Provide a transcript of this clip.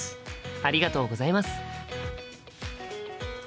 ありがとうございます。